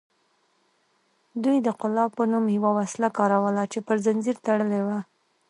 دوی د قلاب په نوم یوه وسله کاروله چې پر زنځیر تړلې وه